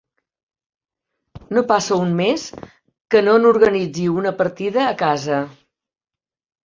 No passa un mes que no n'organitzi una partida a casa.